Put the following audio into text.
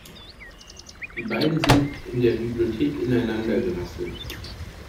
Die beiden sind in der Bibliothek ineinander gerasselt.